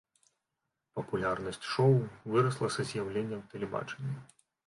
Папулярнасць шоу вырасла са з'яўленнем тэлебачання.